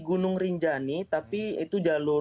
gunung rinjani tapi itu jalur